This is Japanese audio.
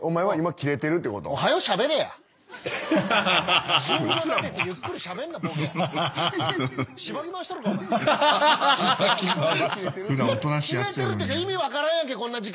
キレてるっていうか意味分からんやんけこんな時間。